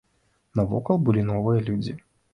Навокал былі новыя людзі.